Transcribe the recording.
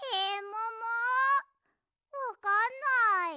わかんない。